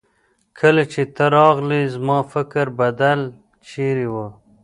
کله چې ته راغلې زما فکر بل چيرې وه.